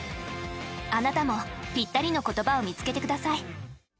あなたも、ぴったりの言葉を見つけてください。